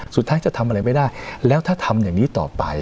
สุดท้ายจะทำอะไรไม่ได้แล้วถ้าทำอย่างนี้ต่อไป